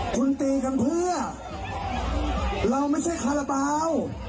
คุณตีกันเพื่อเราไม่ใช่คาราบาล